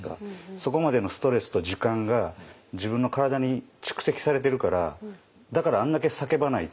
そこまでのストレスと時間が自分の体に蓄積されてるからだからあんだけ叫ばないと。